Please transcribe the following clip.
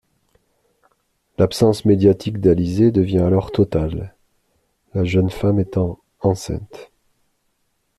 L'absence médiatique d'Alizée devient alors totale, la jeune femme étant enceinte.